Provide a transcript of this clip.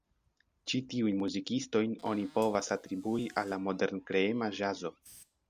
Ĉi tiujn muzikistojn oni povas atribui al la modern-kreema ĵazo.